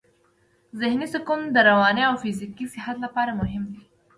ذهني سکون د رواني او فزیکي صحت لپاره مهم دی.